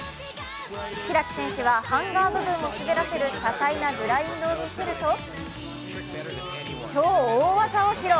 開選手はハンガー部分を滑らせる多彩なグラインドを見せると超大技を披露！